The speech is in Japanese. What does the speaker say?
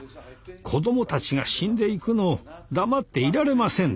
子供たちが死んでいくのを黙っていられませんでした。